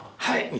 はい！